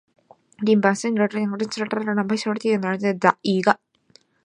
林蚬蝶属是蚬蝶亚科蛱蚬蝶族林蚬蝶亚族里的一个属。